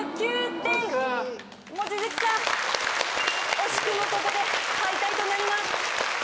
惜しくもここで敗退となります。